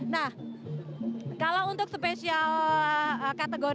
nah kalau untuk special kategori